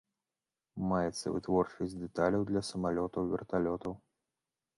Маецца вытворчасць дэталяў для самалётаў і верталётаў.